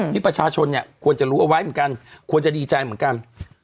นี่ประชาชนเนี่ยควรจะรู้เอาไว้เหมือนกันควรจะดีใจเหมือนกัน